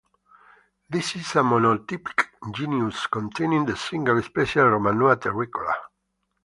This is a monotypic genus, containing the single species Romanoa terricola.